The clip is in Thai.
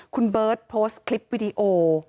คุณเบิร์ตโพสต์คลิปวิดีโอ